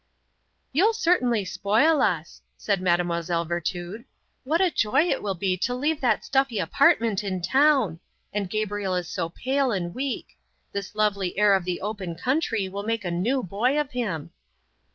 "You'll certainly spoil us!" said Mlle. Virtud. "What a joy it will be to leave that stuffy apartment in town. And Gabriel is so pale and weak! This lovely air of the open country will make a new boy of him!"